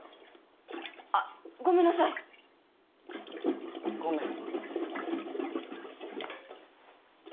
あっごめんなさいごめん